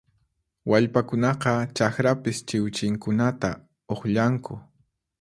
Wallpakunaqa chakrapis chiwchinkunata uqllanku